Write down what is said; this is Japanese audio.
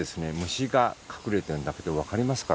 虫が隠れてるんだけど分かりますか？